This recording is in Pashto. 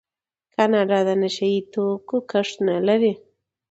کاناډا د نشه یي توکو کښت نلري.